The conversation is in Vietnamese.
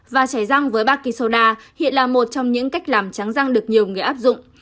và chảy răng với baking soda hiện là một trong những cách làm trắng răng được nhiều người áp dụng